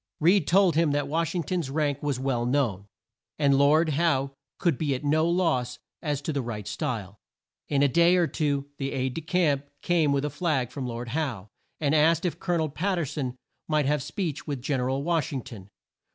Reed told him that Wash ing ton's rank was well known, and Lord Howe could be at no loss as to the right style. In a day or two an aide de camp came with a flag from Lord Howe, and asked if Col o nel Pat ter son might have speech with Gen er al Wash ing ton.